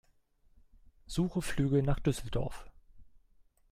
Suche Flüge nach Düsseldorf.